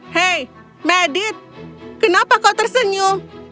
hei medit kenapa kau tersenyum